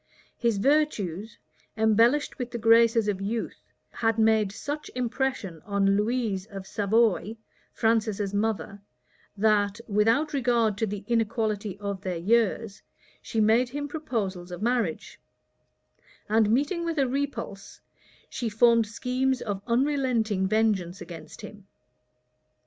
His virtues, embellished with the graces of youth, had made such impression on Louise of Savoy, Francis's mother, that, without regard to the inequality of their years, she made him proposals of marriage; and meeting with a repulse, she formed schemes of unrelenting vengeance against him.